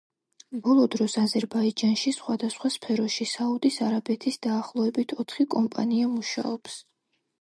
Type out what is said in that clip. ბოლო დროს, აზერბაიჯანში სხვადასხვა სფეროში საუდის არაბეთის დაახლოებით ოთხი კომპანია მუშაობს.